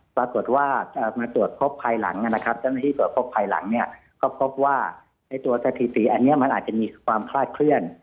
ปรากฏว่ามาตรวจพบภายหลังก็พบว่าตัวสถิติอันนี้มันอาจจะมีความพลาดเคลื่อน